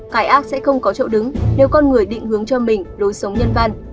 cái ác sẽ không có chỗ đứng nếu con người định hướng cho mình lối sống nhân văn